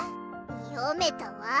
読めたわ。